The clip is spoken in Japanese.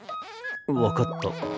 分かった。